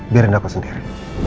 biarin aku sendiri